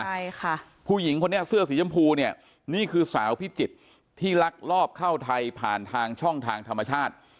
ใช่ค่ะผู้หญิงคนนี้เสื้อสีชมพูเนี่ยนี่คือสาวพิจิตรที่ลักลอบเข้าไทยผ่านทางช่องทางธรรมชาติ